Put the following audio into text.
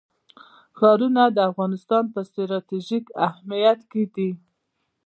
ښارونه د افغانستان په ستراتیژیک اهمیت کې دي.